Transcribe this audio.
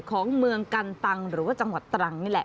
ของเมืองกันตังหรือว่าจังหวัดตรังนี่แหละ